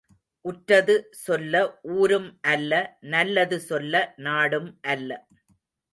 உற்றது சொல்ல ஊரும் அல்ல நல்லது சொல்ல நாடும் அல்ல.